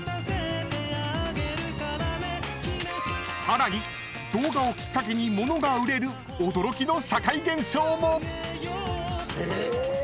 ［さらに動画をきっかけに物が売れる驚きの社会現象も！］